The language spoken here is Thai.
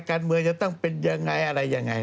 การเมืองจะต้องเป็นยังไงอะไรยังไง